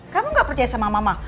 kamu gak percaya sama mama